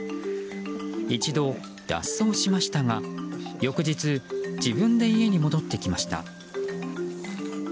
一度、脱走しましたが翌日、自分で家に戻ってきました。